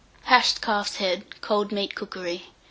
HASHED CALF'S HEAD (Cold Meat Cookery).